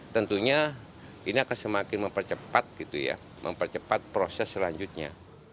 tentunya ini akan semakin mempercepat proses selanjutnya